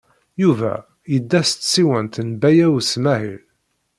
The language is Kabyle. Yuba yedda s tsiwant n Baya U Smaɛil.